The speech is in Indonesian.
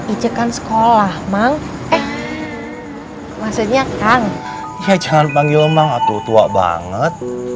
ijakan sekolah mang eh maksudnya kang ya jangan panggil emang atau tua banget